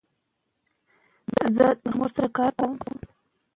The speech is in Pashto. درمل د سي ار جي پي موادو اغېزې مخه نیسي.